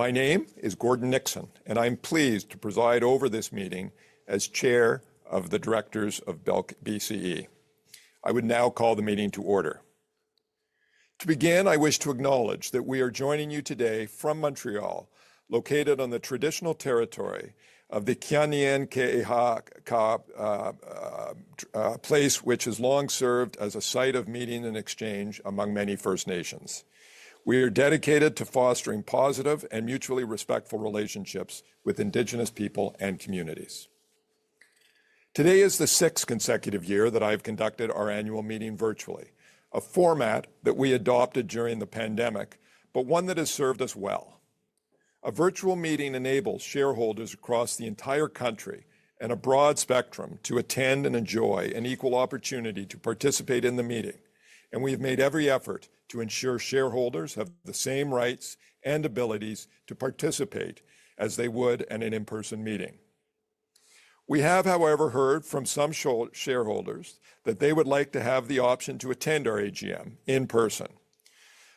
My name is Gordon Nixon, and I'm pleased to preside over this meeting as Chair of the Directors of BCE. I would now call the meeting to order. To begin, I wish to acknowledge that we are joining you today from Montreal, located on the traditional territory of the Kanien'kehá:ka Place, which has long served as a site of meeting and exchange among many First Nations. We are dedicated to fostering positive and mutually respectful relationships with Indigenous people and communities. Today is the sixth consecutive year that I've conducted our annual meeting virtually, a format that we adopted during the pandemic, but one that has served us well. A virtual meeting enables shareholders across the entire country and a broad spectrum to attend and enjoy an equal opportunity to participate in the meeting, and we've made every effort to ensure shareholders have the same rights and abilities to participate as they would in an in-person meeting. We have, however, heard from some shareholders that they would like to have the option to attend our AGM in person.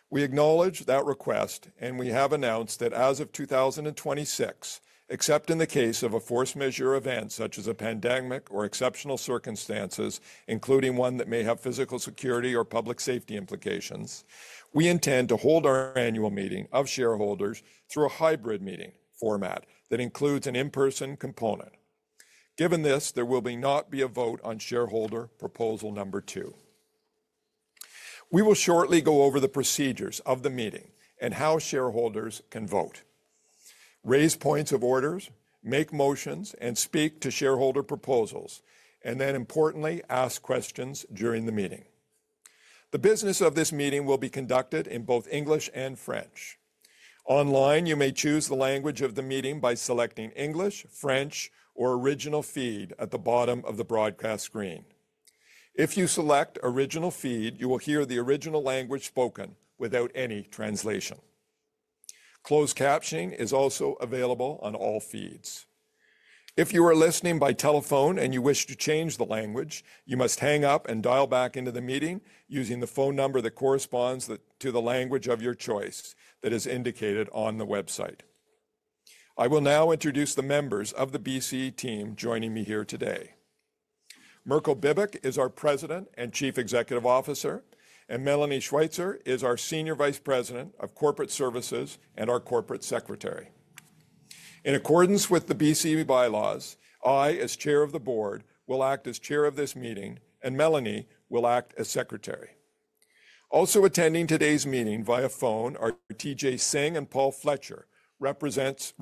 We acknowledge that request, and we have announced that as of 2026, except in the case of a force majeure event such as a pandemic or exceptional circumstances, including one that may have physical security or public safety implications, we intend to hold our annual meeting of shareholders through a hybrid meeting format that includes an in-person component. Given this, there will not be a vote on shareholder proposal number two. We will shortly go over the procedures of the meeting and how shareholders can vote, raise points of order, make motions, and speak to shareholder proposals, and then, importantly, ask questions during the meeting. The business of this meeting will be conducted in both English and French. Online, you may choose the language of the meeting by selecting English, French, or original feed at the bottom of the broadcast screen. If you select original feed, you will hear the original language spoken without any translation. Closed captioning is also available on all feeds. If you are listening by telephone and you wish to change the language, you must hang up and dial back into the meeting using the phone number that corresponds to the language of your choice that is indicated on the website. I will now introduce the members of the BCE team joining me here today. Mirko Bibic is our President and Chief Executive Officer, and Melanie Schweizer is our Senior Vice President of Corporate Services and our Corporate Secretary. In accordance with the BCE bylaws, I, as Chair of the Board, will act as Chair of this meeting, and Melanie will act as Secretary. Also attending today's meeting via phone are T.J. Singh and Paul Fletcher, representatives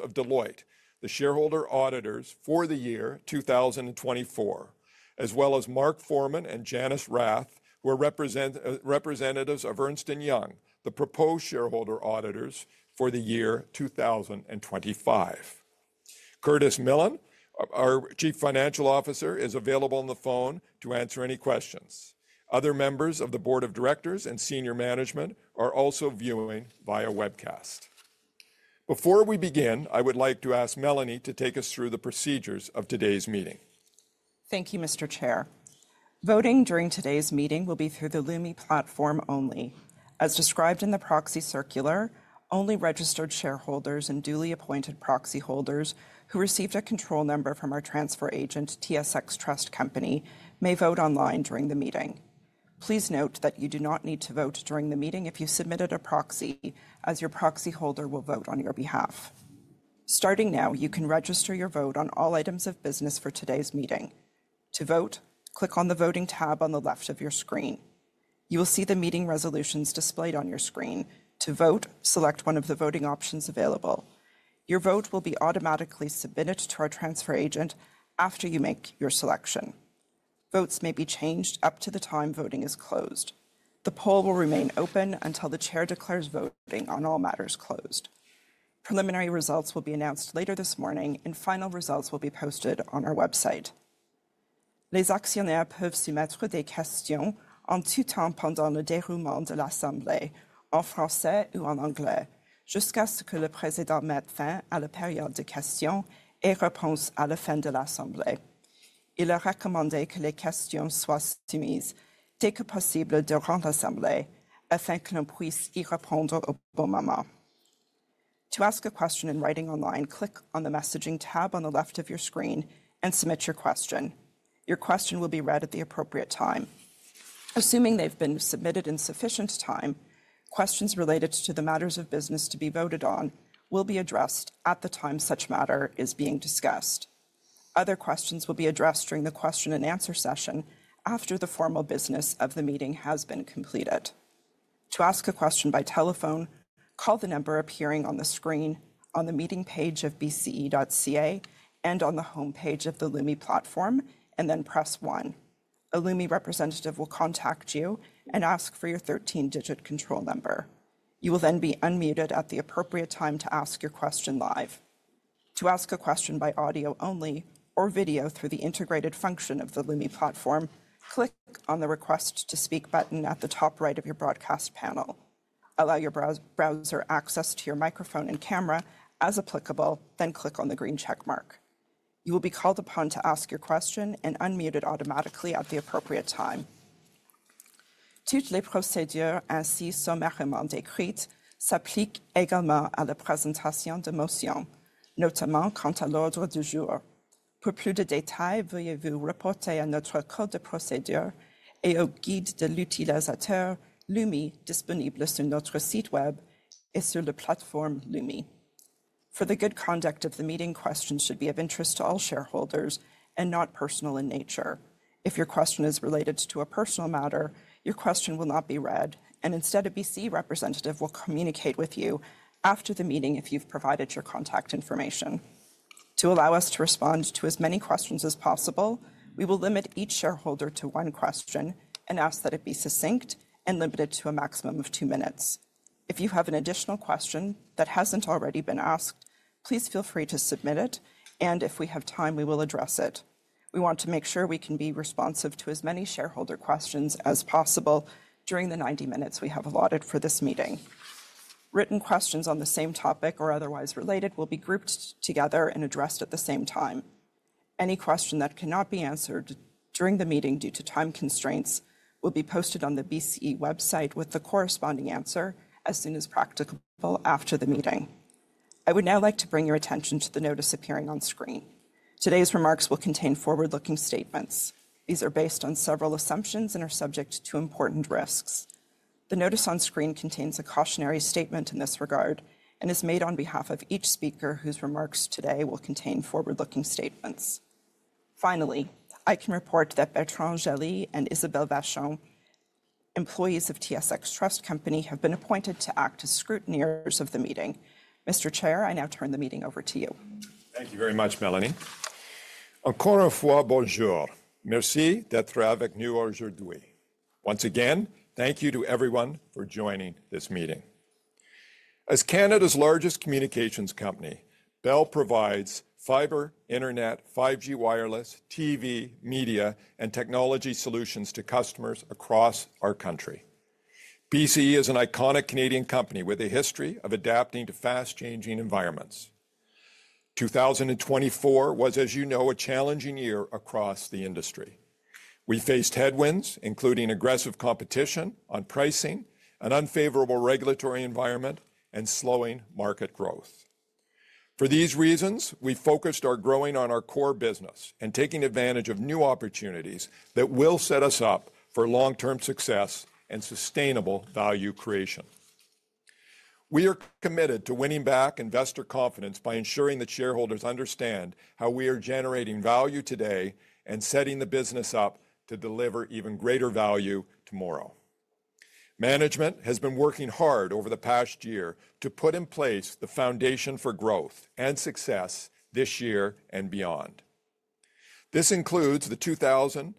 of Deloitte, the shareholder auditors for the year 2024, as well as Mark Forman and Janice Rath, who are representatives of Ernst & Young, the proposed shareholder auditors for the year 2025. Curtis Millen, our Chief Financial Officer, is available on the phone to answer any questions. Other members of the Board of Directors and senior management are also viewing via webcast. Before we begin, I would like to ask Melanie to take us through the procedures of today's meeting. Thank you, Mr. Chair. Voting during today's meeting will be through the Lumi Platform only. As described in the proxy circular, only registered shareholders and duly appointed proxy holders who received a control number from our transfer agent, TSX Trust Company, may vote online during the meeting. Please note that you do not need to vote during the meeting if you submitted a proxy, as your proxy holder will vote on your behalf. Starting now, you can register your vote on all items of business for today's meeting. To vote, click on the voting tab on the left of your screen. You will see the meeting resolutions displayed on your screen. To vote, select one of the voting options available. Your vote will be automatically submitted to our transfer agent after you make your selection. Votes may be changed up to the time voting is closed. The poll will remain open until the Chair declares voting on all matters closed. Preliminary results will be announced later this morning, and final results will be posted on our website. Les actionnaires peuvent soumettre des questions en tout temps pendant le déroulement de l'assemblée, en français ou en anglais, jusqu'à ce que le président mette fin à la période de questions et reprenne à la fin de l'assemblée. Il est recommandé que les questions soient soumises dès que possible durant l'assemblée afin que l'on puisse y répondre au bon moment. To ask a question in writing online, click on the messaging tab on the left of your screen and submit your question. Your question will be read at the appropriate time. Assuming they've been submitted in sufficient time, questions related to the matters of business to be voted on will be addressed at the time such matter is being discussed. Other questions will be addressed during the question and answer session after the formal business of the meeting has been completed. To ask a question by telephone, call the number appearing on the screen on the meeting page of bce.ca and on the homepage of the Lumi Platform, and then press one. A Lumi representative will contact you and ask for your 13-digit control number. You will then be unmuted at the appropriate time to ask your question live. To ask a question by audio only or video through the integrated function of the Lumi Platform, click on the request to speak button at the top right of your broadcast panel. Allow your browser access to your microphone and camera as applicable, then click on the green checkmark. You will be called upon to ask your question and unmuted automatically at the appropriate time. Toutes les procédures ainsi sommairement décrites s'appliquent également à la présentation de motions, notamment quant à l'ordre du jour. Pour plus de détails, veuillez vous reporter à notre code de procédure et au guide de l'utilisateur Lumi disponible sur notre site web et sur la plateforme Lumi. For the good conduct of the meeting, questions should be of interest to all shareholders and not personal in nature. If your question is related to a personal matter, your question will not be read, and instead, a BCE representative will communicate with you after the meeting if you've provided your contact information. To allow us to respond to as many questions as possible, we will limit each shareholder to one question and ask that it be succinct and limited to a maximum of two minutes. If you have an additional question that hasn't already been asked, please feel free to submit it, and if we have time, we will address it. We want to make sure we can be responsive to as many shareholder questions as possible during the 90 minutes we have allotted for this meeting. Written questions on the same topic or otherwise related will be grouped together and addressed at the same time. Any question that cannot be answered during the meeting due to time constraints will be posted on the BCE website with the corresponding answer as soon as practicable after the meeting. I would now like to bring your attention to the notice appearing on screen. Today's remarks will contain forward-looking statements. These are based on several assumptions and are subject to important risks. The notice on screen contains a cautionary statement in this regard and is made on behalf of each speaker whose remarks today will contain forward-looking statements. Finally, I can report that Bertrand Joly and Isabelle Vachon, employees of TSX Trust Company, have been appointed to act as scrutineers of the meeting. Mr. Chair, I now turn the meeting over to you. Thank you very much, Melanie. Encore une fois, bonjour. Merci d'être avec nous aujourd'hui. Once again, thank you to everyone for joining this meeting. As Canada's largest communications company, Bell provides fiber, internet, 5G wireless, TV, media, and technology solutions to customers across our country. BCE is an iconic Canadian company with a history of adapting to fast-changing environments. 2024 was, as you know, a challenging year across the industry. We faced headwinds, including aggressive competition on pricing, an unfavorable regulatory environment, and slowing market growth. For these reasons, we focused our growth on our core business and taking advantage of new opportunities that will set us up for long-term success and sustainable value creation. We are committed to winning back investor confidence by ensuring that shareholders understand how we are generating value today and setting the business up to deliver even greater value tomorrow. Management has been working hard over the past year to put in place the foundation for growth and success this year and beyond. This includes the 2025,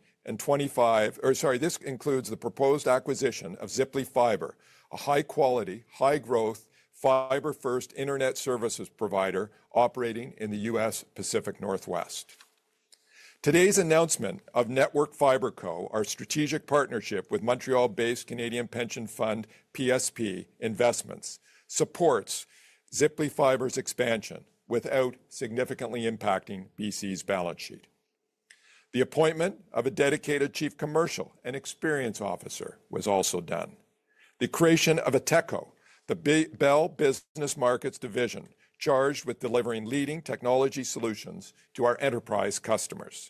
or sorry, this includes the proposed acquisition of Ziply Fiber, a high-quality, high-growth fiber-first internet services provider operating in the U.S. Pacific Northwest. Today's announcement of Network Fiber Co, our strategic partnership with Montreal-based Canadian Pension Fund PSP Investments, supports Ziply Fiber's expansion without significantly impacting BCE's balance sheet. The appointment of a dedicated Chief Commercial and Experience Officer was also done. The creation of Ateco, the Bell Business Markets division charged with delivering leading technology solutions to our enterprise customers.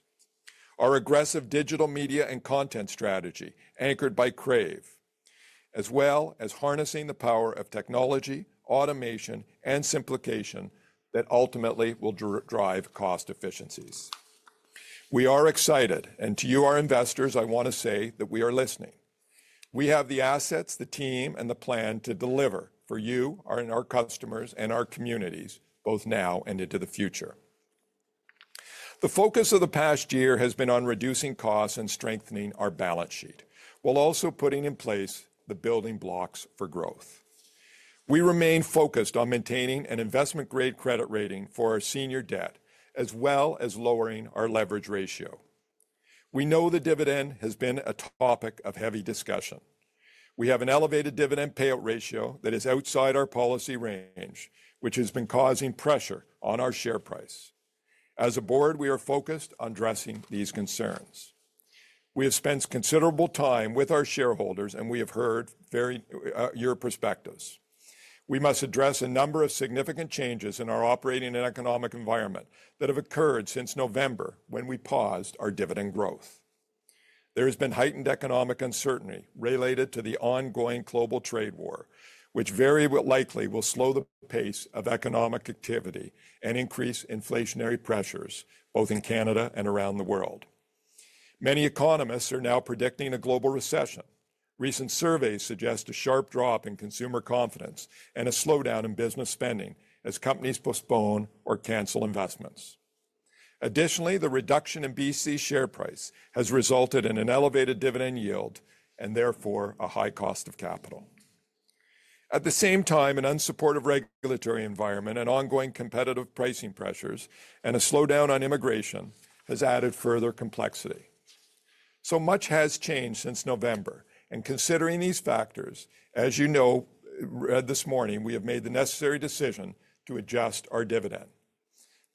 Our aggressive digital media and content strategy anchored by Crave, as well as harnessing the power of technology, automation, and simplification that ultimately will drive cost efficiencies. We are excited, and to you, our investors, I want to say that we are listening. We have the assets, the team, and the plan to deliver for you, our customers, and our communities, both now and into the future. The focus of the past year has been on reducing costs and strengthening our balance sheet while also putting in place the building blocks for growth. We remain focused on maintaining an investment-grade credit rating for our senior debt, as well as lowering our leverage ratio. We know the dividend has been a topic of heavy discussion. We have an elevated dividend payout ratio that is outside our policy range, which has been causing pressure on our share price. As a board, we are focused on addressing these concerns. We have spent considerable time with our shareholders, and we have heard your perspectives. We must address a number of significant changes in our operating and economic environment that have occurred since November when we paused our dividend growth. There has been heightened economic uncertainty related to the ongoing global trade war, which very likely will slow the pace of economic activity and increase inflationary pressures both in Canada and around the world. Many economists are now predicting a global recession. Recent surveys suggest a sharp drop in consumer confidence and a slowdown in business spending as companies postpone or cancel investments. Additionally, the reduction in BCE share price has resulted in an elevated dividend yield and therefore a high cost of capital. At the same time, an unsupportive regulatory environment, ongoing competitive pricing pressures, and a slowdown on immigration have added further complexity. So much has changed since November, and considering these factors, as you know this morning, we have made the necessary decision to adjust our dividend.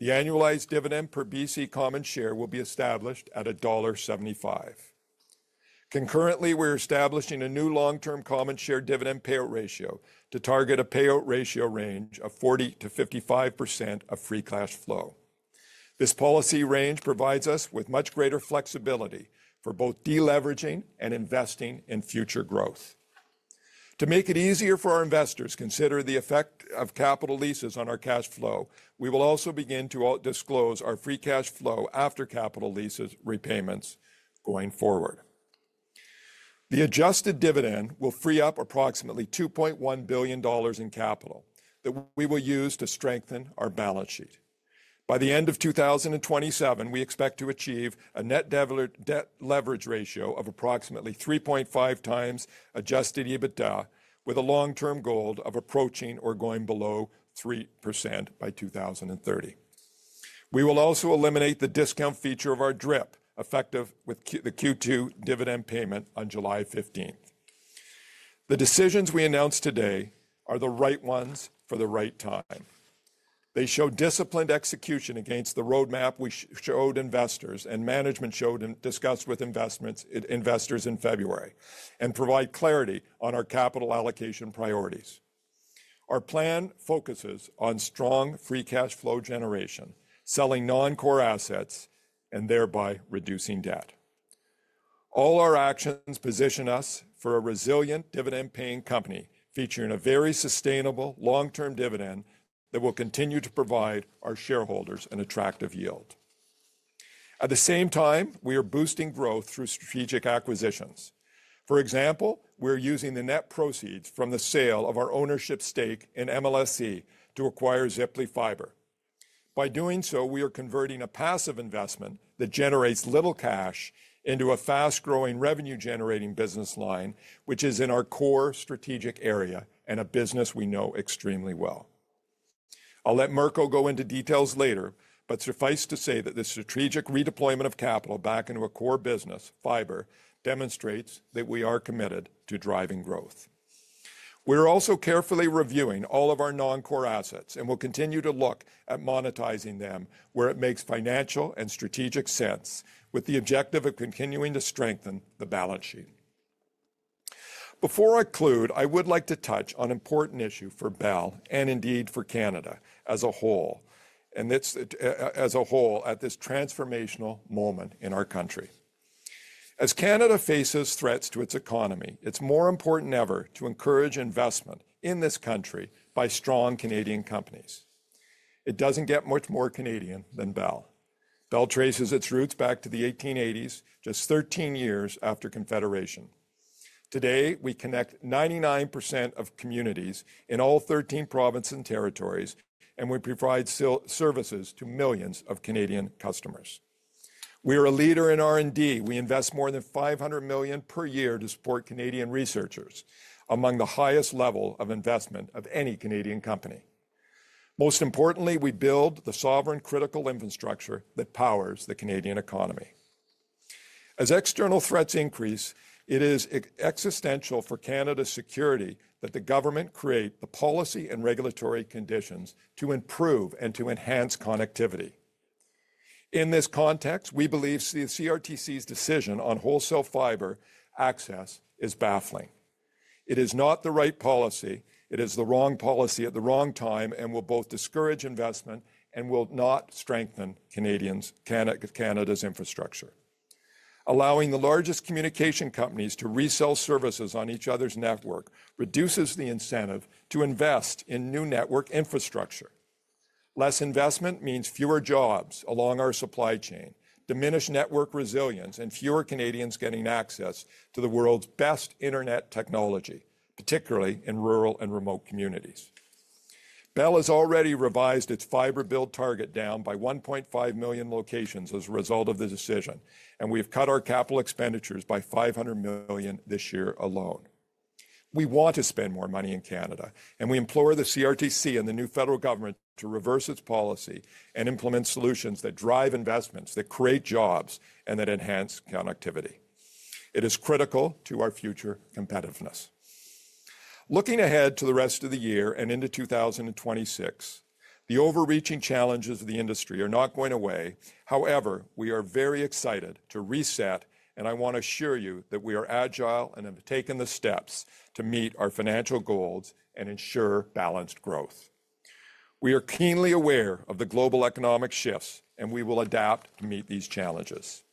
The annualized dividend per BCE common share will be established at dollar 1.75. Concurrently, we're establishing a new long-term common share dividend payout ratio to target a payout ratio range of 40%-55% of free cash flow. This policy range provides us with much greater flexibility for both deleveraging and investing in future growth. To make it easier for our investors to consider the effect of capital leases on our cash flow, we will also begin to disclose our free cash flow after capital leases repayments going forward. The adjusted dividend will free up approximately 2.1 billion dollars in capital that we will use to strengthen our balance sheet. By the end of 2027, we expect to achieve a Net Leverage Ratio of approximately 3.5 times Adjusted EBITDA, with a long-term goal of approaching or going below 3% by 2030. We will also eliminate the discount feature of our DRIP effective with the Q2 dividend payment on July 15th. The decisions we announced today are the right ones for the right time. They show disciplined execution against the roadmap we showed investors and management showed and discussed with investors in February and provide clarity on our capital allocation priorities. Our plan focuses on strong Free Cash Flow generation, selling non-core assets, and thereby reducing debt. All our actions position us for a resilient dividend-paying company featuring a very sustainable long-term dividend that will continue to provide our shareholders an attractive yield. At the same time, we are boosting growth through strategic acquisitions. For example, we're using the net proceeds from the sale of our ownership stake in MLSE to acquire Ziply Fiber. By doing so, we are converting a passive investment that generates little cash into a fast-growing revenue-generating business line, which is in our core strategic area and a business we know extremely well. I'll let Mirko go into details later, but suffice to say that this strategic redeployment of capital back into a core business, fiber, demonstrates that we are committed to driving growth. We're also carefully reviewing all of our non-core assets and will continue to look at monetizing them where it makes financial and strategic sense, with the objective of continuing to strengthen the balance sheet. Before I conclude, I would like to touch on an important issue for Bell and indeed for Canada as a whole, and this country as a whole at this transformational moment in our country. As Canada faces threats to its economy, it's more important than ever to encourage investment in this country by strong Canadian companies. It doesn't get much more Canadian than Bell. Bell traces its roots back to the 1880s, just 13 years after Confederation. Today, we connect 99% of communities in all 13 provinces and territories, and we provide services to millions of Canadian customers. We are a leader in R&D. We invest more than 500 million per year to support Canadian researchers, among the highest level of investment of any Canadian company. Most importantly, we build the sovereign critical infrastructure that powers the Canadian economy. As external threats increase, it is existential for Canada's security that the government create the policy and regulatory conditions to improve and to enhance connectivity. In this context, we believe the CRTC's decision on wholesale fiber access is baffling. It is not the right policy. It is the wrong policy at the wrong time and will both discourage investment and will not strengthen Canada's infrastructure. Allowing the largest communication companies to resell services on each other's network reduces the incentive to invest in new network infrastructure. Less investment means fewer jobs along our supply chain, diminished network resilience, and fewer Canadians getting access to the world's best internet technology, particularly in rural and remote communities. Bell has already revised its fiber build target down by 1.5 million locations as a result of the decision, and we have cut our capital expenditures by 500 million this year alone. We want to spend more money in Canada, and we implore the CRTC and the new federal government to reverse its policy and implement solutions that drive investments, that create jobs, and that enhance connectivity. It is critical to our future competitiveness. Looking ahead to the rest of the year and into 2026, the overarching challenges of the industry are not going away. However, we are very excited to reset, and I want to assure you that we are agile and have taken the steps to meet our financial goals and ensure balanced growth. We are keenly aware of the global economic shifts, and we will adapt to meet these challenges.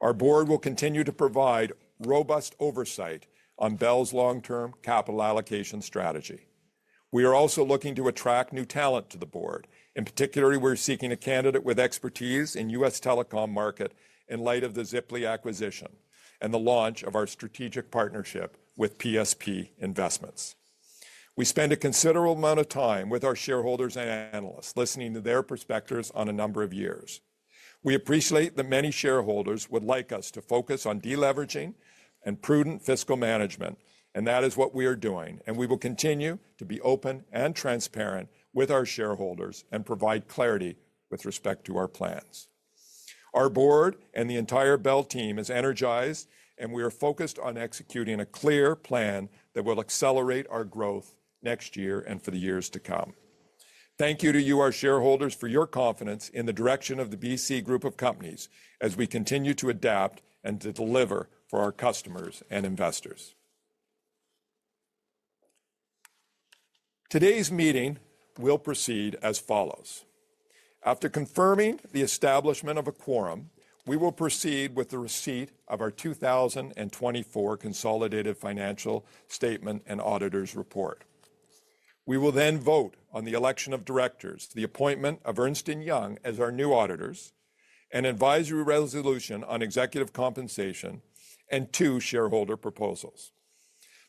Our board will continue to provide robust oversight on Bell's long-term capital allocation strategy. We are also looking to attract new talent to the board. In particular, we're seeking a candidate with expertise in the U.S. Telecom market in light of the Ziply acquisition and the launch of our strategic partnership with PSP Investments. We spend a considerable amount of time with our shareholders and analysts listening to their perspectives on a number of years. We appreciate that many shareholders would like us to focus on deleveraging and prudent fiscal management, and that is what we are doing, and we will continue to be open and transparent with our shareholders and provide clarity with respect to our plans. Our board and the entire Bell team are energized, and we are focused on executing a clear plan that will accelerate our growth next year and for the years to come. Thank you to you, our shareholders, for your confidence in the direction of the BCE Group of Companies as we continue to adapt and to deliver for our customers and investors. Today's meeting will proceed as follows. After confirming the establishment of a quorum, we will proceed with the receipt of our 2024 consolidated financial statement and auditor's report. We will then vote on the election of directors, the appointment of Ernst & Young as our new auditors, an advisory resolution on executive compensation, and two shareholder proposals.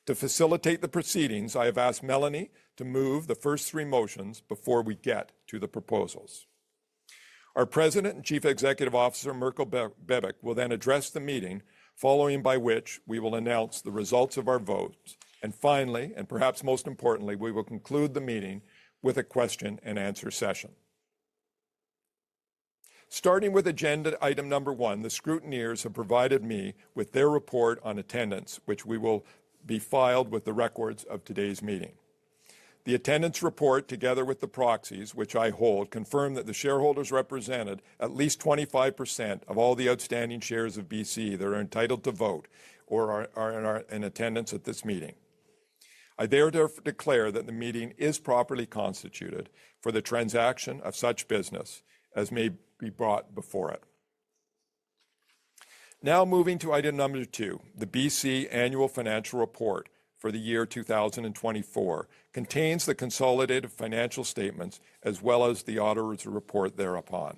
To facilitate the proceedings, I have asked Melanie to move the first three motions before we get to the proposals. Our President and Chief Executive Officer Mirko Bibic will then address the meeting, following by which we will announce the results of our votes, and finally, and perhaps most importantly, we will conclude the meeting with a question-and-answer session. Starting with agenda item number one, the scrutineers have provided me with their report on attendance, which will be filed with the records of today's meeting. The attendance report, together with the proxies which I hold, confirms that the shareholders represented at least 25% of all the outstanding shares of BCE that are entitled to vote or are in attendance at this meeting. I therefore declare that the meeting is properly constituted for the transaction of such business as may be brought before it. Now moving to item number two, the BCE Annual Financial Report for the year 2024 contains the consolidated financial statements as well as the auditor's report thereupon.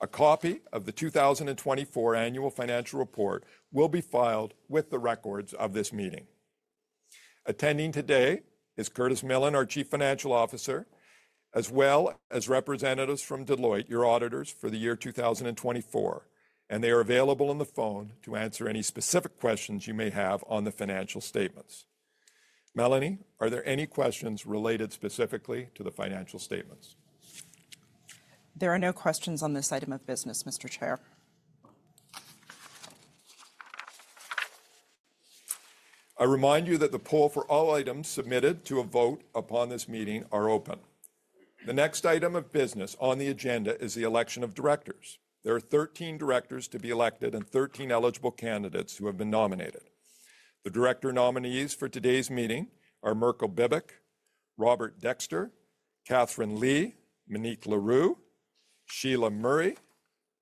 A copy of the 2024 Annual Financial Report will be filed with the records of this meeting. Attending today is Curtis Millen, our Chief Financial Officer, as well as representatives from Deloitte, your auditors, for the year 2024, and they are available on the phone to answer any specific questions you may have on the financial statements. Melanie, are there any questions related specifically to the financial statements? There are no questions on this item of business, Mr. Chair. I remind you that the poll for all items submitted to a vote upon this meeting is open. The next item of business on the agenda is the election of directors. There are 13 directors to be elected and 13 eligible candidates who have been nominated. The director nominees for today's meeting are Mirko Bibic, Robert Dexter, Katherine Lee, Monique Leroux, Sheila Murray,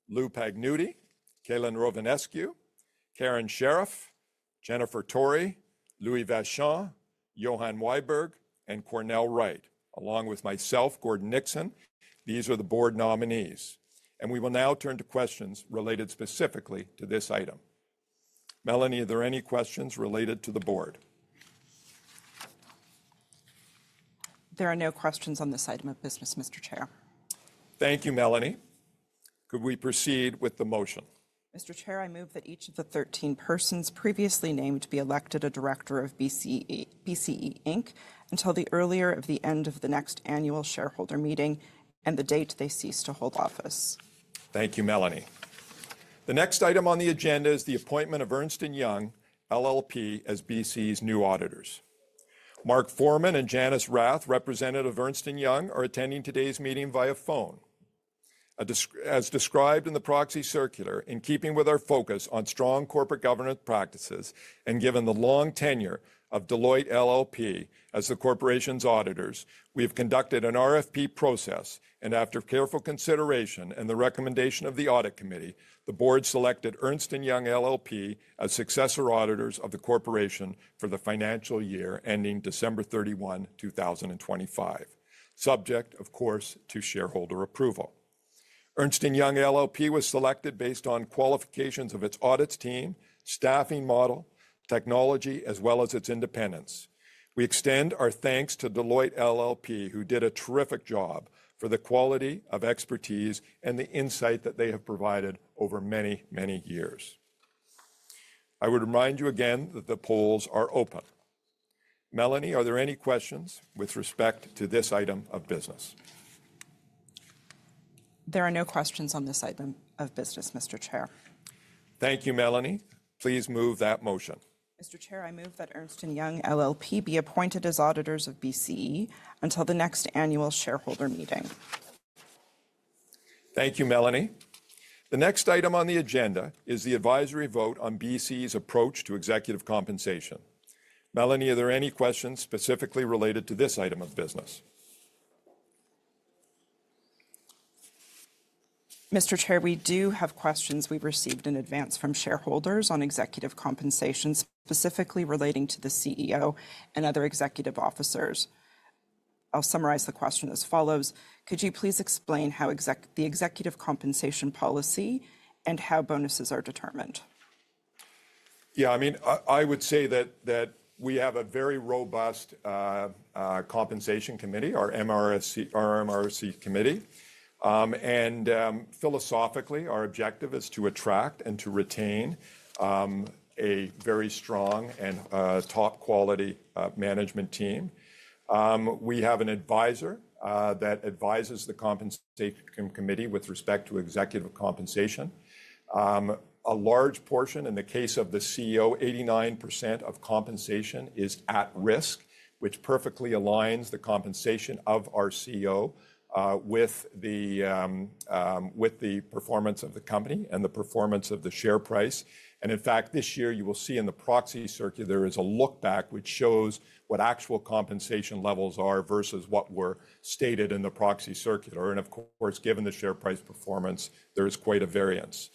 Louis Pagnutti, Calin Rovinescu, Karen Sheriff, Jennifer Tory, Louis Vachon, Johan Weibergh, and Cornell Wright, along with myself, Gordon Nixon. These are the board nominees, and we will now turn to questions related specifically to this item. Melanie, are there any questions related to the board? There are no questions on this item of business, Mr. Chair. Thank you, Melanie. Could we proceed with the motion? Mr. Chair, I move that each of the 13 persons previously named be elected a director of BCE Inc. until the earlier of the end of the next annual shareholder meeting and the date they cease to hold office. Thank you, Melanie. The next item on the agenda is the appointment of Ernst & Young LLP as BCE's new auditors. Mark Forman and Janice Rath, representatives of Ernst & Young, are attending today's meeting via phone. As described in the proxy circular, in keeping with our focus on strong corporate governance practices and given the long tenure of Deloitte LLP as the corporation's auditors, we have conducted an RFP process, and after careful consideration and the recommendation of the audit committee, the board selected Ernst & Young LLP as successor auditors of the corporation for the financial year ending December 31, 2025, subject, of course, to shareholder approval. Ernst & Young LLP was selected based on qualifications of its audit team, staffing model, technology, as well as its independence. We extend our thanks to Deloitte LLP, who did a terrific job for the quality of expertise and the insight that they have provided over many, many years. I would remind you again that the polls are open. Melanie, are there any questions with respect to this item of business? There are no questions on this item of business, Mr. Chair. Thank you, Melanie. Please move that motion. Mr. Chair, I move that Ernst & Young LLP be appointed as auditors of BCE until the next annual shareholder meeting. Thank you, Melanie. The next item on the agenda is the advisory vote on BCE's approach to executive compensation. Melanie, are there any questions specifically related to this item of business? Mr. Chair, we do have questions we received in advance from shareholders on executive compensation, specifically relating to the CEO and other executive officers. I'll summarize the question as follows. Could you please explain how the executive compensation policy and how bonuses are determined? Yeah, I mean, I would say that we have a very robust compensation committee, our MRC Committee, and philosophically, our objective is to attract and to retain a very strong and top-quality management team. We have an advisor that advises the compensation committee with respect to executive compensation. A large portion, in the case of the CEO, 89% of compensation is at risk, which perfectly aligns the compensation of our CEO with the performance of the company and the performance of the share price. And in fact, this year, you will see in the Proxy Circular, there is a look-back which shows what actual compensation levels are versus what were stated in the Proxy Circular. And of course, given the share price performance, there is quite a variance.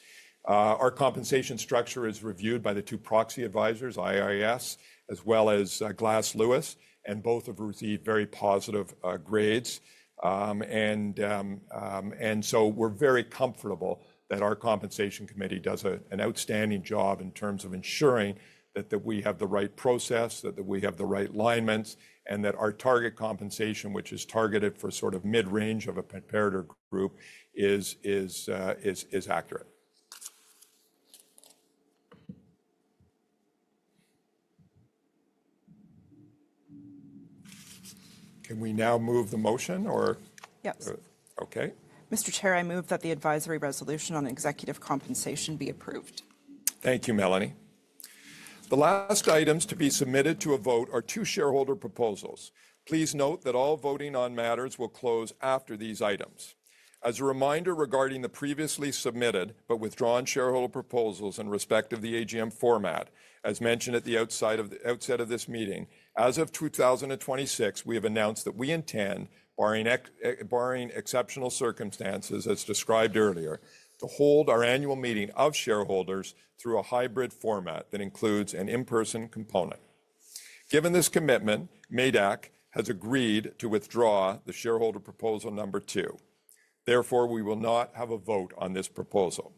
Our compensation structure is reviewed by the two proxy advisors, ISS, as well as Glass Lewis, and both have received very positive grades, and so we're very comfortable that our compensation committee does an outstanding job in terms of ensuring that we have the right process, that we have the right alignments, and that our target compensation, which is targeted for sort of mid-range of a competitor group, is accurate. Can we now move the motion or? Yes. Okay. Mr. Chair, I move that the advisory resolution on executive compensation be approved. Thank you, Melanie. The last items to be submitted to a vote are two shareholder proposals. Please note that all voting on matters will close after these items. As a reminder regarding the previously submitted but withdrawn shareholder proposals in respect of the AGM format, as mentioned at the outset of this meeting, as of 2026, we have announced that we intend, barring exceptional circumstances as described earlier, to hold our annual meeting of shareholders through a hybrid format that includes an in-person component. Given this commitment, MÉDAC has agreed to withdraw the shareholder proposal number two. Therefore, we will not have a vote on this proposal.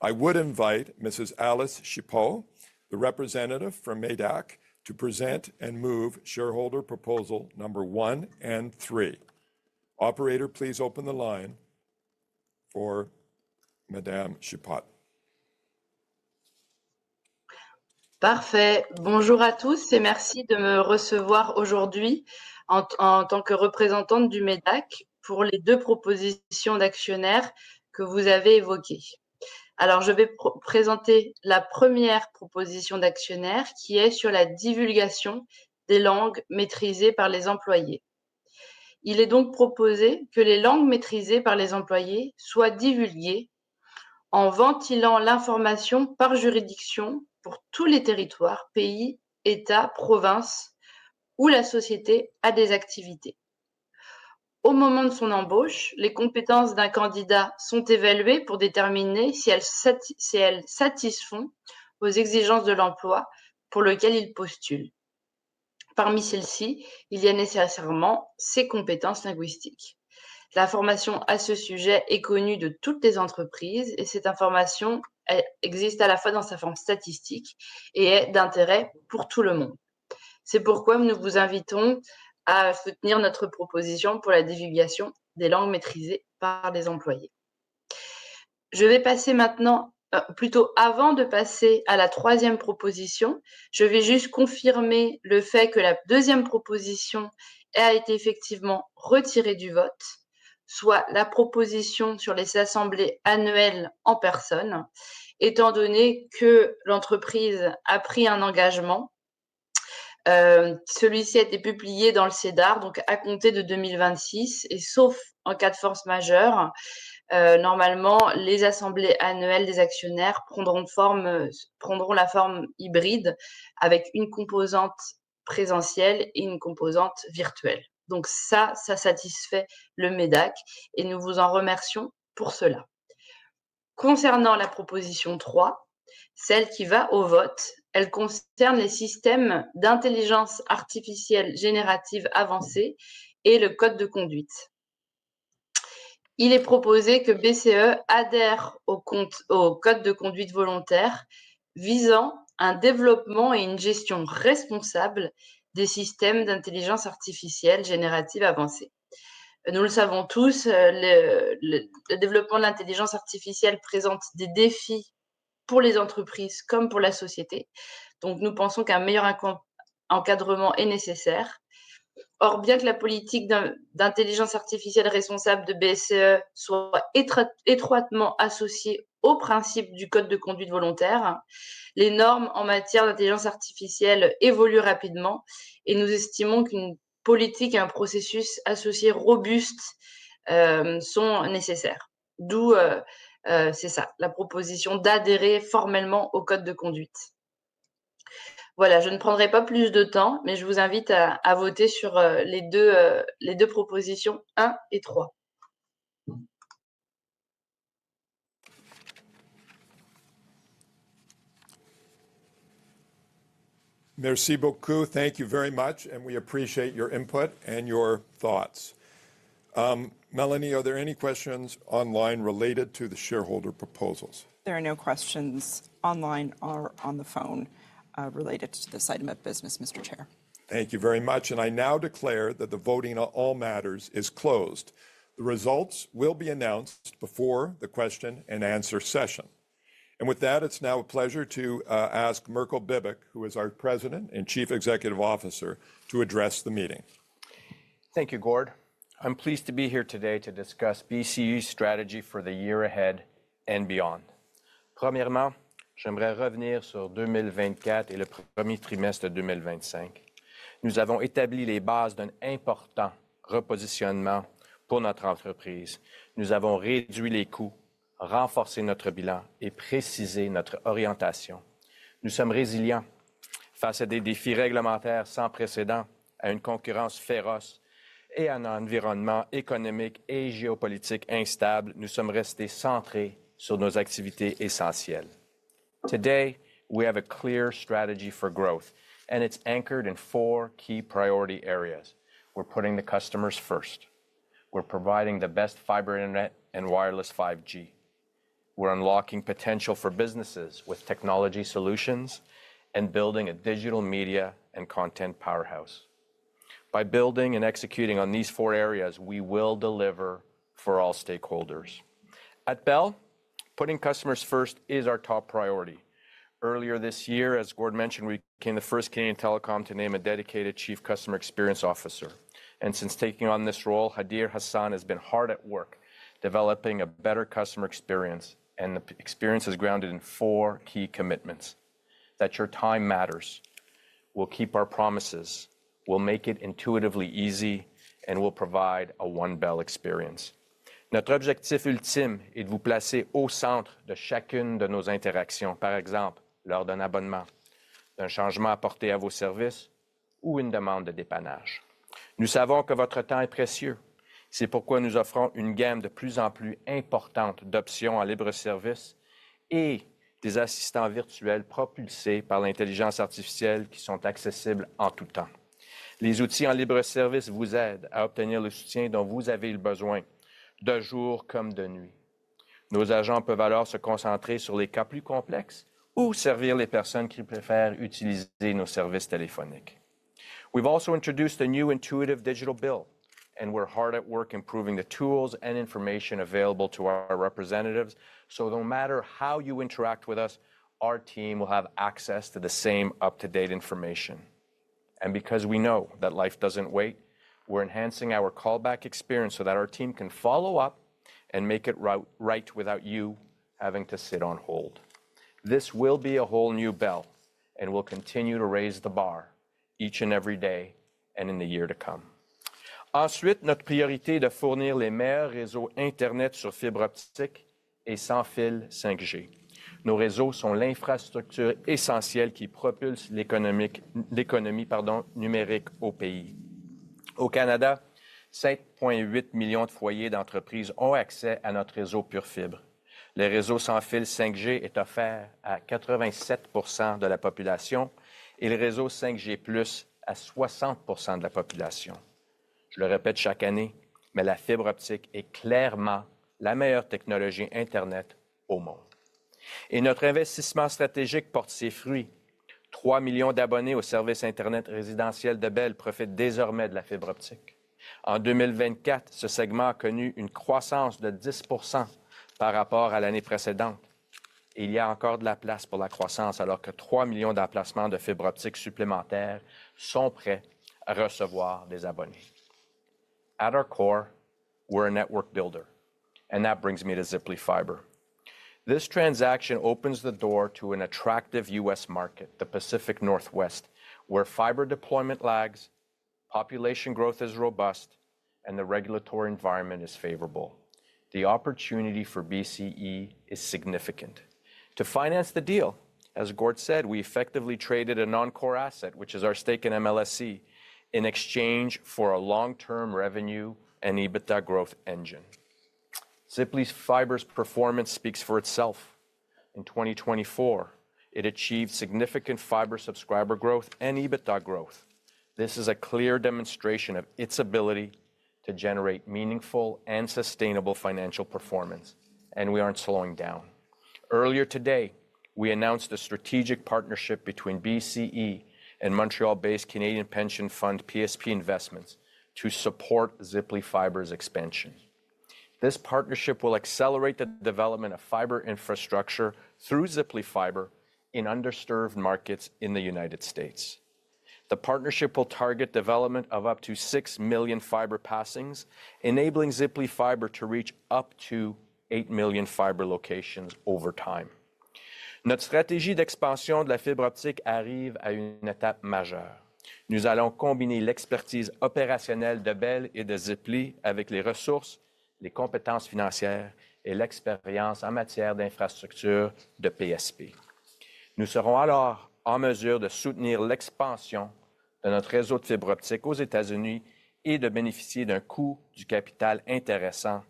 I would invite Mrs. Alice Chipot, the representative from MÉDAC, to present and move shareholder proposal number one and three. Operator, please open the line for Madame Chipot. Parfait. Bonjour à tous et merci de me recevoir aujourd'hui en tant que représentante du MÉDAC pour les deux propositions d'actionnaires que vous avez évoquées. Alors, je vais présenter la première proposition d'actionnaires qui est sur la divulgation des langues maîtrisées par les employés. Il est donc proposé que les langues maîtrisées par les employés soient divulguées en ventilant l'information par juridiction pour tous les territoires, pays, États, provinces où la société a des activités. Au moment de son embauche, les compétences d'un candidat sont évaluées pour déterminer si elles satisfont aux exigences de l'emploi pour lequel il postule. Parmi celles-ci, il y a nécessairement ses compétences linguistiques. L'information à ce sujet est connue de toutes les entreprises et cette information existe à la fois dans sa forme statistique et est d'intérêt pour tout le monde. C'est pourquoi nous vous invitons à soutenir notre proposition pour la divulgation des langues maîtrisées par les employés. Je vais passer maintenant. Plutôt avant de passer à la troisième proposition, je vais juste confirmer le fait que la deuxième proposition a été effectivement retirée du vote, soit la proposition sur les assemblées annuelles en personne, étant donné que l'entreprise a pris un engagement. Celui-ci a été publié dans le SEDAR, donc à compter de 2026, et sauf en cas de force majeure, normalement, les assemblées annuelles des actionnaires prendront la forme hybride avec une composante présentielle et une composante virtuelle. Donc ça, ça satisfait le MÉDAC et nous vous en remercions pour cela. Concernant la proposition trois, celle qui va au vote, elle concerne les systèmes d'intelligence artificielle générative avancée et le code de conduite. Il est proposé que BCE adhère au code de conduite volontaire visant un développement et une gestion responsable des systèmes d'intelligence artificielle générative avancée. Nous le savons tous, le développement de l'intelligence artificielle présente des défis pour les entreprises comme pour la société, donc nous pensons qu'un meilleur encadrement est nécessaire. Or, bien que la politique d'intelligence artificielle responsable de BCE soit étroitement associée aux principes du code de conduite volontaire, les normes en matière d'intelligence artificielle évoluent rapidement et nous estimons qu'une politique et un processus associés robustes sont nécessaires. D'où, c'est ça, la proposition d'adhérer formellement au code de conduite. Voilà, je ne prendrai pas plus de temps, mais je vous invite à voter sur les deux propositions un et trois. Merci beaucoup, thank you very much, and we appreciate your input and your thoughts. Melanie, are there any questions online related to the shareholder proposals? There are no questions online or on the phone related to this item of business, Mr. Chair. Thank you very much, and I now declare that the voting on all matters is closed. The results will be announced before the question and answer session. And with that, it's now a pleasure to ask Mirko Bibic, who is our President and Chief Executive Officer, to address the meeting. Thank you, Gord. I'm pleased to be here today to discuss BCE's strategy for the year ahead and beyond. Premièrement, j'aimerais revenir sur 2024 et le premier trimestre de 2025. Nous avons établi les bases d'un important repositionnement pour notre entreprise. Nous avons réduit les coûts, renforcé notre bilan et précisé notre orientation. Nous sommes résilients face à des défis réglementaires sans précédent, à une concurrence féroce et à un environnement économique et géopolitique instable. Nous sommes restés centrés sur nos activités essentielles. Today, we have a clear strategy for growth, and it's anchored in four key priority areas. We're putting the customers first. We're providing the best fiber internet and wireless 5G. We're unlocking potential for businesses with technology solutions and building a digital media and content powerhouse. By building and executing on these four areas, we will deliver for all stakeholders. At Bell, putting customers first is our top priority. Earlier this year, as Gord mentioned, we became the first Canadian telecom to name a dedicated chief customer experience officer, and since taking on this role, Hadir Hassan has been hard at work developing a better customer experience, and the experience is grounded in four key commitments. That your time matters. We'll keep our promises. We'll make it intuitively easy, and we'll provide a one-bell experience. Notre objectif ultime est de vous placer au centre de chacune de nos interactions, par exemple lors d'un abonnement, d'un changement apporté à vos services ou une demande de dépannage. Nous savons que votre temps est précieux. C'est pourquoi nous offrons une gamme de plus en plus importante d'options en libre-service et des assistants virtuels propulsés par l'intelligence artificielle qui sont accessibles en tout temps. Les outils en libre-service vous aident à obtenir le soutien dont vous avez besoin, de jour comme de nuit. Nos agents peuvent alors se concentrer sur les cas plus complexes ou servir les personnes qui préfèrent utiliser nos services téléphoniques. We've also introduced a new intuitive digital bill, and we're hard at work improving the tools and information available to our representatives so no matter how you interact with us, our team will have access to the same up-to-date information. And because we know that life doesn't wait, we're enhancing our callback experience so that our team can follow up and make it right without you having to sit on hold. This will be a whole new Bell, and we'll continue to raise the bar each and every day and in the year to come. Ensuite, notre priorité est de fournir les meilleurs réseaux internet sur fibre optique et sans fil 5G. Nos réseaux sont l'infrastructure essentielle qui propulse l'économie numérique au pays. Au Canada, 7.8 millions de foyers d'entreprises ont accès à notre réseau pure fibre. Le réseau sans fil 5G est offert à 87% de la population et le réseau 5G+ à 60% de la population. Je le répète chaque année, mais la fibre optique est clairement la meilleure technologie internet au monde. Et notre investissement stratégique porte ses fruits. Trois millions d'abonnés au service internet résidentiel de Bell profitent désormais de la fibre optique. En 2024, ce segment a connu une croissance de 10% par rapport à l'année précédente. Il y a encore de la place pour la croissance alors que trois millions d'emplacements de fibre optique supplémentaires sont prêts à recevoir des abonnés. At our core, we're a network builder. And that brings me to Ziply Fiber. This transaction opens the door to an attractive U.S. market, the Pacific Northwest, where fiber deployment lags, population growth is robust, and the regulatory environment is favorable. The opportunity for BCE is significant. To finance the deal, as Gord said, we effectively traded a non-core asset, which is our stake in MLSE, in exchange for a long-term revenue and EBITDA growth engine. Ziply Fiber's performance speaks for itself. In 2024, it achieved significant fiber subscriber growth and EBITDA growth. This is a clear demonstration of its ability to generate meaningful and sustainable financial performance, and we aren't slowing down. Earlier today, we announced a strategic partnership between BCE and Montreal-based Canadian pension fund PSP Investments to support Ziply Fiber's expansion. This partnership will accelerate the development of fiber infrastructure through Ziply Fiber in underserved markets in the United States. The partnership will target the development of up to six million fiber passings, enabling Ziply Fiber to reach up to eight million fiber locations over time. Notre stratégie d'expansion de la fibre optique arrive à une étape majeure. Nous allons combiner l'expertise opérationnelle de Bell et de Ziply avec les ressources, les compétences financières et l'expérience en matière d'infrastructure de PSP. Nous serons alors en mesure de soutenir l'expansion de notre réseau de fibre optique aux États-Unis et de bénéficier d'un coût du capital intéressant,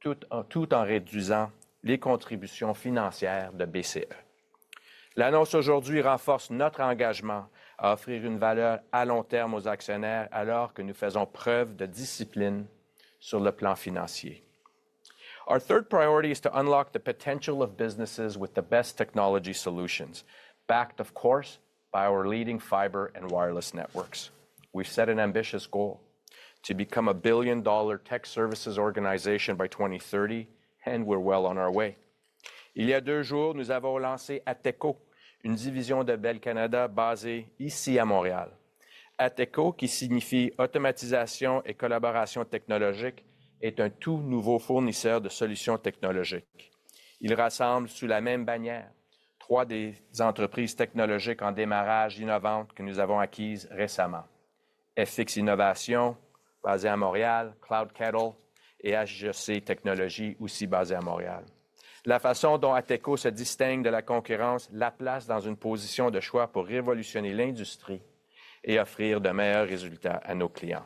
tout en réduisant les contributions financières de BCE. L'annonce aujourd'hui renforce notre engagement à offrir une valeur à long terme aux actionnaires alors que nous faisons preuve de discipline sur le plan financier. Our third priority is to unlock the potential of businesses with the best technology solutions, backed, of course, by our leading fiber and wireless networks. We've set an ambitious goal to become a billion-dollar tech services organization by 2030, and we're well on our way. Il y a deux jours, nous avons lancé Ateco, une division de Bell Canada basée ici à Montréal. Ateco, qui signifie automatisation et collaboration technologique, est un tout nouveau fournisseur de solutions technologiques. Il rassemble sous la même bannière trois des entreprises technologiques en démarrage innovantes que nous avons acquises récemment: FX Innovation, basée à Montréal; CloudKettle; et HGC Technologies, aussi basée à Montréal. La façon dont Ateco se distingue de la concurrence la place dans une position de choix pour révolutionner l'industrie et offrir de meilleurs résultats à nos clients.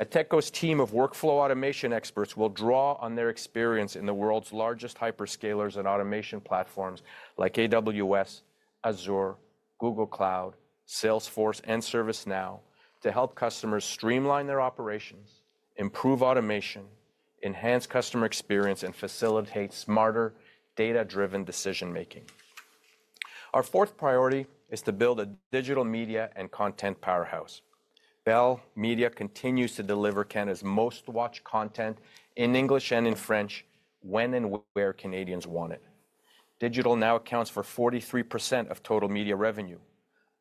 Ateco's team of workflow automation experts will draw on their experience in the world's largest hyperscalers and automation platforms like AWS, Azure, Google Cloud, Salesforce, and ServiceNow to help customers streamline their operations, improve automation, enhance customer experience, and facilitate smarter, data-driven decision-making. Our fourth priority is to build a digital media and content powerhouse. Bell Media continues to deliver Canada's most-watched content in English and in French when and where Canadians want it. Digital Now accounts for 43% of total media revenue,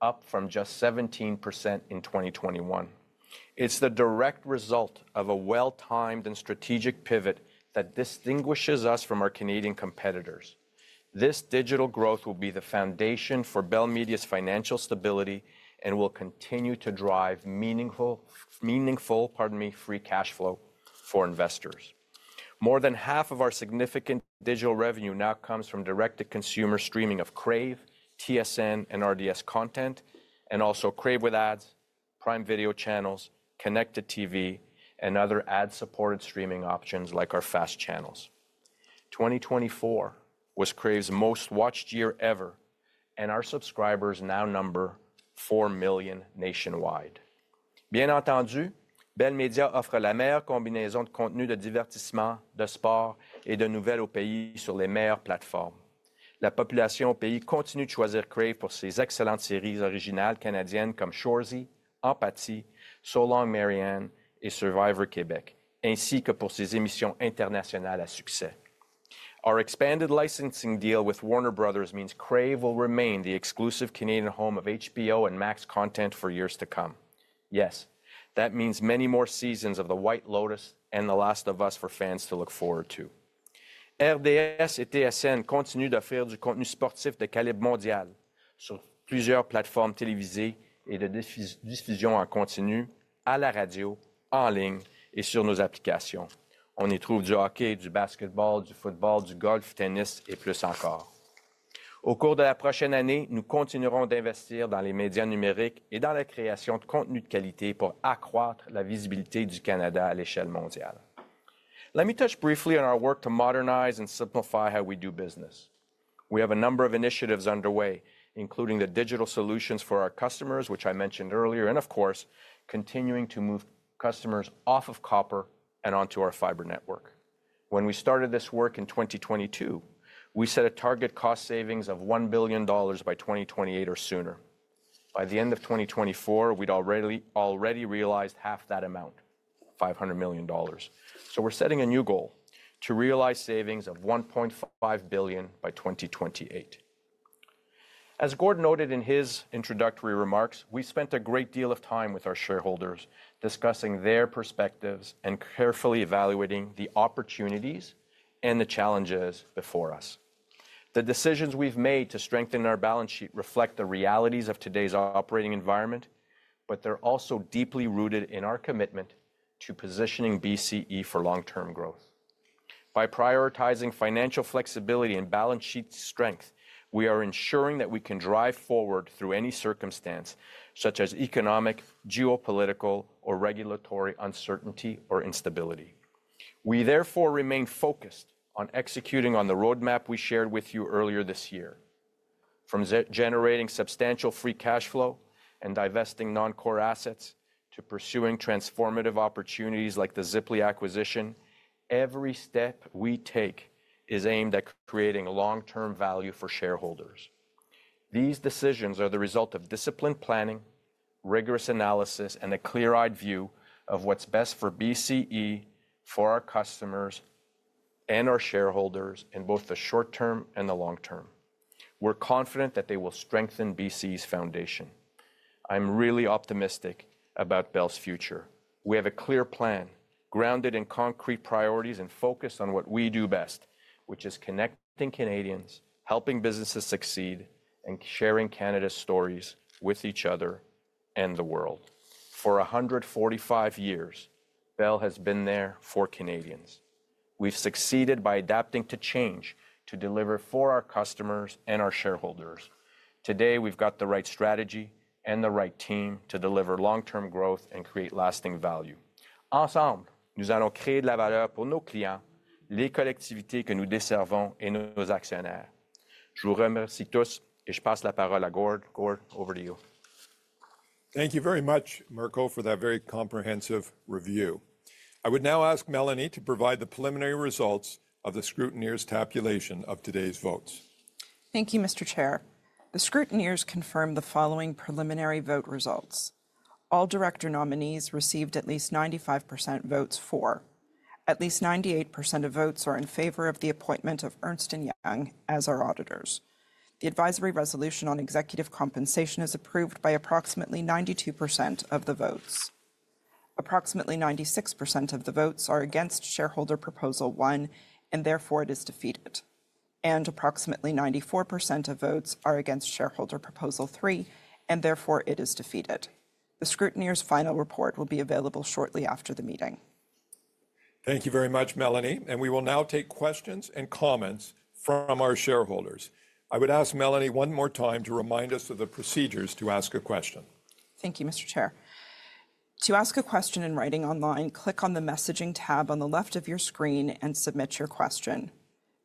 up from just 17% in 2021. It's the direct result of a well-timed and strategic pivot that distinguishes us from our Canadian competitors. This digital growth will be the foundation for Bell Media's financial stability and will continue to drive meaningful, pardon me, free cash flow for investors. More than half of our significant digital revenue now comes from direct-to-consumer streaming of Crave, TSN, and RDS content, and also Crave with Ads, Prime Video channels, Connected TV, and other ad-supported streaming options like our FAST channels. 2024 was Crave's most-watched year ever, and our subscribers now number four million nationwide. Bien entendu, Bell Media offre la meilleure combinaison de contenus de divertissement, de sport et de nouvelles au pays sur les meilleures plateformes. La population au pays continue de choisir Crave pour ses excellentes séries originales canadiennes comme Shoresy, Apathy, So Long Marianne et Survivor Québec, ainsi que pour ses émissions internationales à succès. Our expanded licensing deal with Warner Bros. means Crave will remain the exclusive Canadian home of HBO and Max content for years to come. Yes, that means many more seasons of The White Lotus and The Last of Us for fans to look forward to. RDS et TSN continuent d'offrir du contenu sportif de calibre mondial sur plusieurs plateformes télévisées et de diffusion en continu, à la radio, en ligne et sur nos applications. On y trouve du hockey, du basketball, du football, du golf, du tennis et plus encore. Au cours de la prochaine année, nous continuerons d'investir dans les médias numériques et dans la création de contenus de qualité pour accroître la visibilité du Canada à l'échelle mondiale. Let me touch briefly on our work to modernize and simplify how we do business. We have a number of initiatives underway, including the digital solutions for our customers, which I mentioned earlier, and, of course, continuing to move customers off of copper and onto our fiber network. When we started this work in 2022, we set a target cost savings of 1 billion dollars by 2028 or sooner. By the end of 2024, we'd already realized half that amount, 500 million dollars. So we're setting a new goal to realize savings of 1.5 billion by 2028. As Gord noted in his introductory remarks, we spent a great deal of time with our shareholders discussing their perspectives and carefully evaluating the opportunities and the challenges before us. The decisions we've made to strengthen our balance sheet reflect the realities of today's operating environment, but they're also deeply rooted in our commitment to positioning BCE for long-term growth. By prioritizing financial flexibility and balance sheet strength, we are ensuring that we can drive forward through any circumstance, such as economic, geopolitical, or regulatory uncertainty or instability. We, therefore, remain focused on executing on the roadmap we shared with you earlier this year. From generating substantial Free Cash Flow and divesting non-core assets to pursuing transformative opportunities like the Ziply Fiber acquisition, every step we take is aimed at creating long-term value for shareholders. These decisions are the result of disciplined planning, rigorous analysis, and a clear-eyed view of what's best for BCE, for our customers, and our shareholders in both the short term and the long term. We're confident that they will strengthen BCE's foundation. I'm really optimistic about Bell's future. We have a clear plan, grounded in concrete priorities and focused on what we do best, which is connecting Canadians, helping businesses succeed, and sharing Canada's stories with each other and the world. For 145 years, Bell has been there for Canadians. We've succeeded by adapting to change to deliver for our customers and our shareholders. Today, we've got the right strategy and the right team to deliver long-term growth and create lasting value. Ensemble, nous allons créer de la valeur pour nos clients, les collectivités que nous desservons et nos actionnaires. Je vous remercie tous et je passe la parole à Gord. Gord, over to you. Thank you very much, Mirko, for that very comprehensive review. I would now ask Melanie to provide the preliminary results of the scrutineers' tabulation of today's votes. Thank you, Mr. Chair. The scrutineers confirmed the following preliminary vote results. All director nominees received at least 95% votes for. At least 98% of votes are in favor of the appointment of Ernst & Young as our auditors. The advisory resolution on executive compensation is approved by approximately 92% of the votes. Approximately 96% of the votes are against shareholder proposal one, and therefore it is defeated. Approximately 94% of votes are against shareholder proposal three, and therefore it is defeated. The scrutineers' final report will be available shortly after the meeting. Thank you very much, Melanie, and we will now take questions and comments from our shareholders. I would ask Melanie one more time to remind us of the procedures to ask a question. Thank you, Mr. Chair. To ask a question in writing online, click on the messaging tab on the left of your screen and submit your question.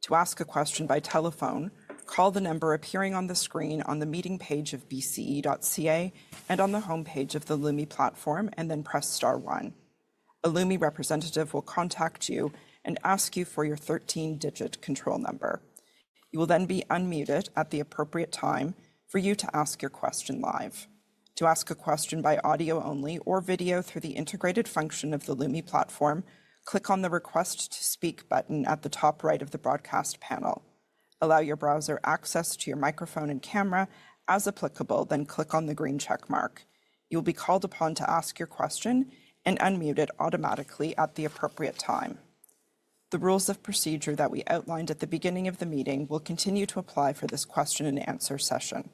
To ask a question by telephone, call the number appearing on the screen on the meeting page of bce.ca and on the homepage of the Lumi Platform, and then press star one. A Lumi representative will contact you and ask you for your 13-digit control number. You will then be unmuted at the appropriate time for you to ask your question live. To ask a question by audio only or video through the integrated function of the Lumi Platform, click on the request to speak button at the top right of the broadcast panel. Allow your browser access to your microphone and camera as applicable, then click on the green checkmark. You will be called upon to ask your question and unmuted automatically at the appropriate time. The rules of procedure that we outlined at the beginning of the meeting will continue to apply for this question and answer session.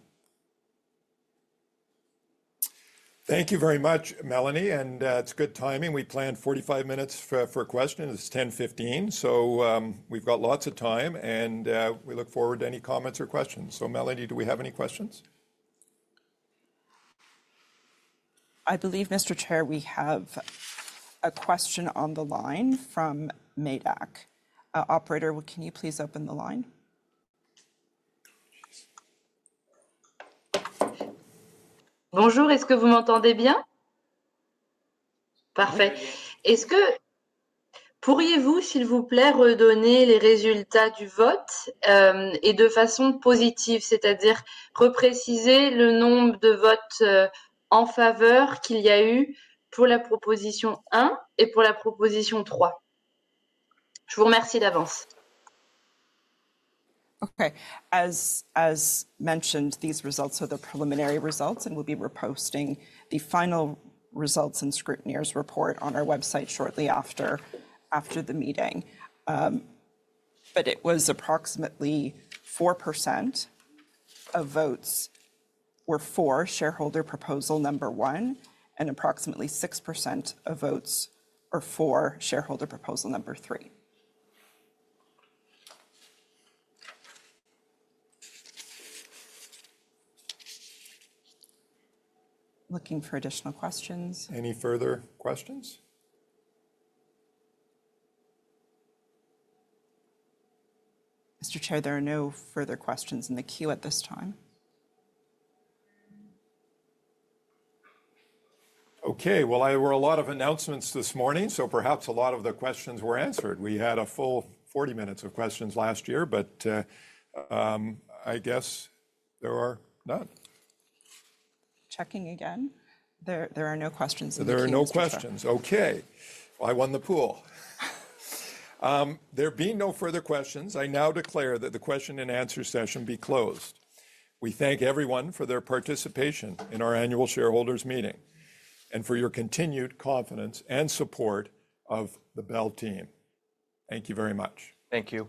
Thank you very much, Melanie, and it's good timing. We planned 45 minutes for questions. It's 10:15 A.M., so we've got lots of time, and we look forward to any comments or questions. So, Melanie, do we have any questions? I believe, Mr. Chair, we have a question on the line from MÉDAC. Operator, can you please open the line? Bonjour, est-ce que vous m'entendez bien? Parfait. Est-ce que pourriez-vous, s'il vous plaît, redonner les résultats du vote et de façon positive, c'est-à-dire repréciser le nombre de votes en faveur qu'il y a eu pour la proposition 1 et pour la proposition 3? Je vous remercie d'avance. Okay. As mentioned, these results are the preliminary results, and we'll be reposting the final results and scrutineers' report on our website shortly after the meeting. But it was approximately 4% of votes were for shareholder proposal number one, and approximately 6% of votes are for shareholder proposal number three. Looking for additional questions. Any further questions? Mr. Chair, there are no further questions in the queue at this time. Okay. Well, there were a lot of announcements this morning, so perhaps a lot of the questions were answered. We had a full 40 minutes of questions last year, but I guess there are none. Checking again. There are no questions in the queue. There are no questions. Okay. I won the pool. There being no further questions, I now declare that the question and answer session be closed. We thank everyone for their participation in our annual shareholders' meeting and for your continued confidence and support of the Bell team. Thank you very much. Thank you.